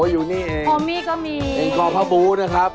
ไม่ตรงนะครับ